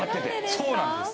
そうなんです。